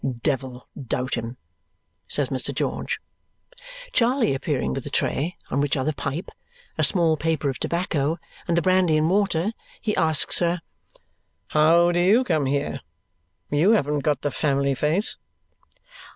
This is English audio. "Devil doubt him," says Mr. George. Charley appearing with a tray, on which are the pipe, a small paper of tobacco, and the brandy and water, he asks her, "How do you come here! You haven't got the family face."